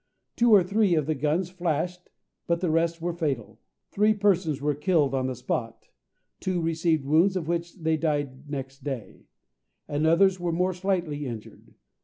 Two or three of the guns flashed, but the rest were fatal. Three persons were killed on the spot, two received wounds of which they died next day, and others were more slightly injured.